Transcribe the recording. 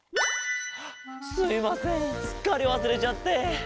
すいませんすっかりわすれちゃって。